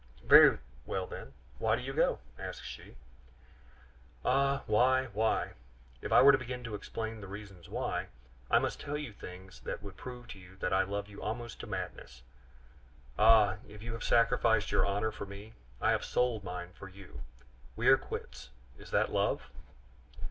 "Very well then, why do you go?" asked she. "Ah! why? why? If I were to begin to explain the reasons why, I must tell you things that would prove to you that I love you almost to madness. Ah! if you have sacrificed your honor for me, I have sold mine for you; we are quits. Is that love?"